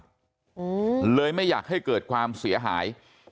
อืมเลยไม่อยากให้เกิดความเสียหาย